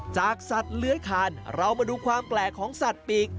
จากสัตว์เลื้อยคานเรามาดูความแปลกของสัตว์ปีก